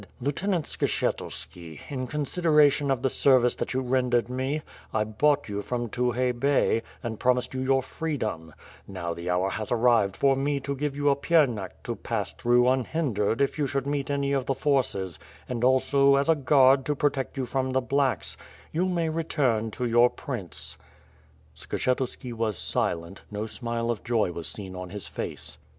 igj "Lieutenant Skshetuski, in consideration of the service that you rendered me, 1 bought you from Tukhay Bey, and promised you your freedom; now the hour has arrived for me to give you a piernach^ to pass through unhindered if you should meet any of the forces; and also as a guard to protect you from the ^blacks/ You may return to your prince/' Skshetuski was silent, no smile of joy was seen on his face.